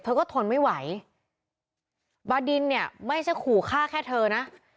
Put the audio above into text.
เธอก็ทนไม่ไหวบาดินเนี่ยไม่ใช่ขู่ฆ่าแค่เธอนะ